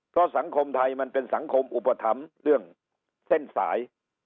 เพราะสังคมไทยมันเป็นสังคมอุปถัมภ์เรื่องเส้นสาย